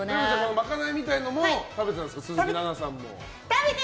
まかないみたいなのも食べてたんですか鈴木奈々さんも。